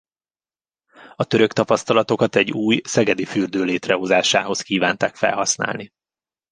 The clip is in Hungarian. A török tapasztalatokat egy új szegedi fürdő létrehozásához kívánták felhasználni.